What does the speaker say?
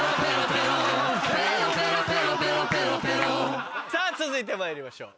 ペロペロペロペロペロペロさぁ続いてまいりましょう。